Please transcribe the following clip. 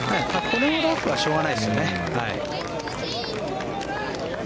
このラフはしょうがないですよね。